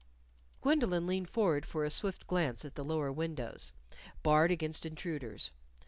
Gwendolyn leaned forward for a swift glance at the lower windows, barred against intruders.